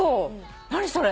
何それ。